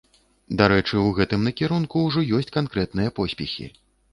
Дарэчы, у гэтым накірунку ўжо ёсць канкрэтныя поспехі.